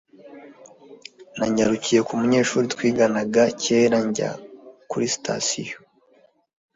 Nanyarukiye mu munyeshuri twiganaga kera njya kuri sitasiyo